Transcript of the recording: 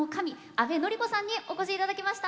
阿部憲子さんにお越しいただきました。